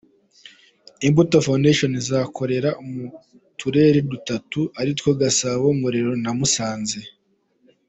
Imbuto Foundation izakorera mu turere dutatu, aritwo Gasabo, Ngororero na Musanze.